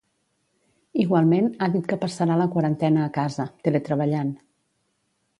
Igualment, ha dit que passarà la quarantena a casa, teletreballant.